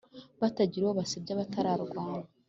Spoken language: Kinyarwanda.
batagira uwo basebya batarwana